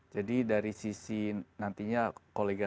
jadi dari sisi nantinya